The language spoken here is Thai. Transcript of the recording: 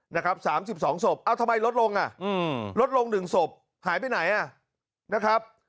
นะครับ๓๒ศพเอ้าทำไมลดลงอ่ะลดลง๑ศพหายไปไหนอ่ะนะครับ